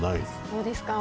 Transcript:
どうですか？